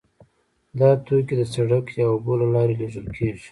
دا توکي د سړک یا اوبو له لارې لیږل کیږي